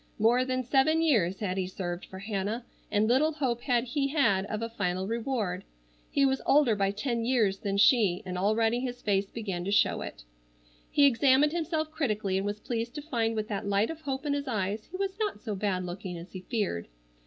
More than seven years had he served for Hannah, and little hope had he had of a final reward. He was older by ten years than she, and already his face began to show it. He examined himself critically, and was pleased to find with that light of hope in his eyes he was not so bad looking as he feared.